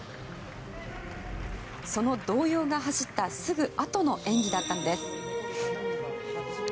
その動揺が走ったすぐあとの演技だったんです。